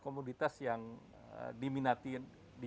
komoditas yang diminatiin